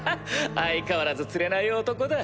相変わらずつれない男だ。